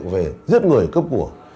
về giết người cấp của